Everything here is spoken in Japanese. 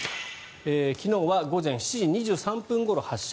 昨日は午前７時２３分ごろ発射。